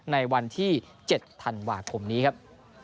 ในวันที่๗ธันวาคมนี้ครับ